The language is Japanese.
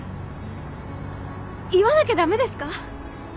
言わなきゃダメですか？